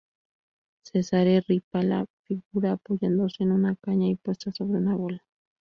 Cesare Ripa la figura apoyándose en una caña y puesta sobre una bola.